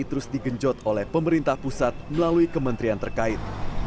terus digenjot oleh pemerintah pusat melalui kementerian terkait